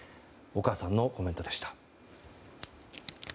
お母さんのコメントでした。